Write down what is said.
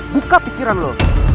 buka pikiran lo